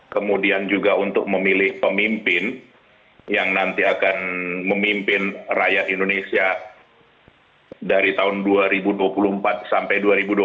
kemudian juga untuk memilih pemimpin yang nanti akan memimpin rakyat indonesia dari tahun dua ribu dua puluh empat sampai dua ribu dua puluh empat